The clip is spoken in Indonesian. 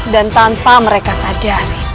dan tanpa mereka sadari